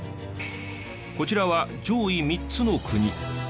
こちらは上位３つの国。